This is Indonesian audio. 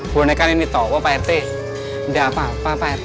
boneka nini tawo pak rt gak apa apa pak rt